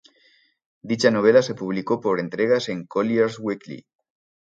Dicha novela se publicó por entregas en "Collier’s Weekly".